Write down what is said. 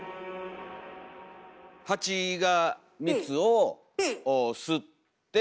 ハチが蜜を吸って。